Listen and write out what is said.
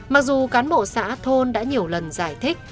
mặc dù cán bộ xã thôn đã nhiều lần giải thích